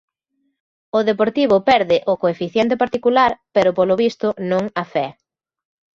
O Deportivo perde o coeficiente particular, pero, polo visto, non a fe.